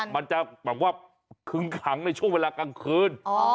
มันจะแบบว่าคึ้งขังในช่วงเวลากลางคืน